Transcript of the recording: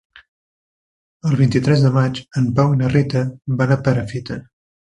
El vint-i-tres de maig en Pau i na Rita van a Perafita.